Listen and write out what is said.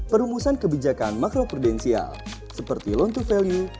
tiga perumusan kebijakan makroprudensial seperti loan to value